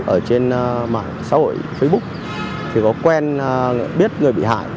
ở trên mạng xã hội facebook thì có quen biết người bị hại